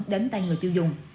đến tay người tiêu dùng